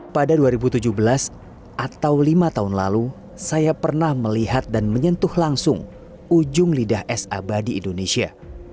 pada dua ribu tujuh belas atau lima tahun lalu saya pernah melihat dan menyentuh langsung ujung lidah es abadi indonesia